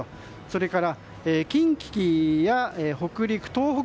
それから、近畿や北陸、東北。